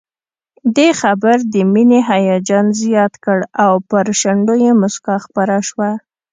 دې خبر د مينې هيجان زيات کړ او پر شونډو يې مسکا خپره شوه